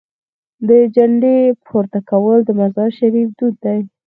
د جنډې پورته کول د مزار شریف دود دی.